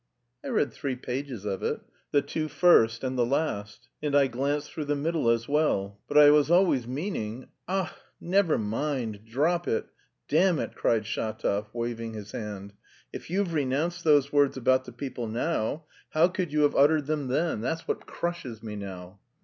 "I read three pages of it. The two first and the last. And I glanced through the middle as well. But I was always meaning..." "Ah, never mind, drop it! Damn it!" cried Shatov, waving his hand. "If you've renounced those words about the people now, how could you have uttered them then?... That's what crushes me now."